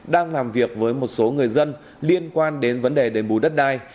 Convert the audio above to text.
đang làm việc với một số người dân liên quan đến vấn đề đền bù đất đai